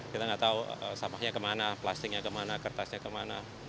kita nggak tahu sampahnya kemana plastiknya kemana kertasnya kemana